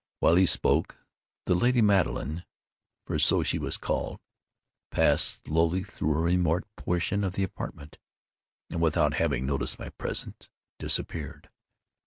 While he spoke, the lady Madeline (for so was she called) passed slowly through a remote portion of the apartment, and, without having noticed my presence, disappeared.